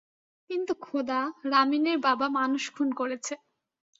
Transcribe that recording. কিন্তু খোদা, রামিনের বাবা মানুষ খুন করেছে!